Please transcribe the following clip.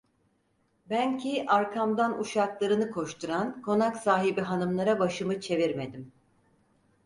Ben ki, arkamdan uşaklarını koşturan konak sahibi hanımlara başımı çevirmedim.